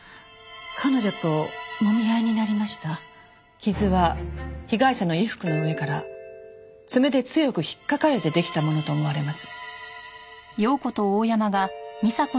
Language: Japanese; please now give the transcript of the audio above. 傷は被害者の衣服の上から爪で強く引っかかれて出来たものと思われます。